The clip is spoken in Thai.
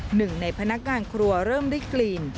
หนึ่งในพนักงานครัวเริ่มได้กลิ่น